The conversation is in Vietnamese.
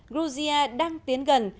georgia đang tiến gần